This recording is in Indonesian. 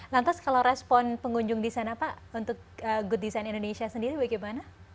lantas kalau respon pengunjung di sana pak untuk good design indonesia sendiri bagaimana